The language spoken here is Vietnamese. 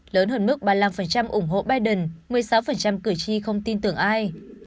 lớn hơn mức ba mươi năm ủng hộ biden một mươi sáu cử tri không tin tưởng ai